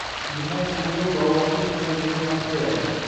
Limon urug‘i bavosir kasalligida naf beradi.